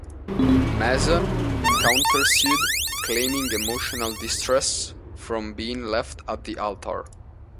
Mason countersued, claiming emotional distress from being left at the altar.